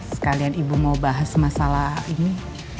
sekalian ibu mau bahas masalah ini